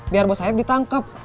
biar bos saeb ditangkep